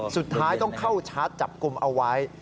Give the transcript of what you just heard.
สุดท้ายต้องเข้าชาร์จจับกลุ่มเอาไว้